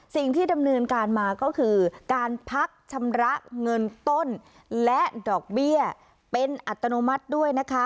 สิ่งที่ดำเนินการมาก็คือการพักชำระเงินต้นและดอกเบี้ยเป็นอัตโนมัติด้วยนะคะ